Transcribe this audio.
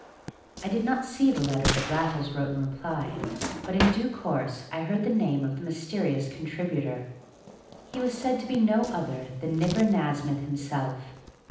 I did not see the letter that Raffles wrote in reply, but in due course I heard the name of the mysterious contributor. He was said to be no other than Nipper Nasmyth himself.